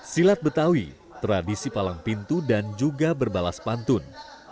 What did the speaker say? silat betawi tradisi palang pintu dan juga berbalas pantun